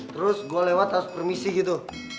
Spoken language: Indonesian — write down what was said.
terus gue lewat harus permisi gitu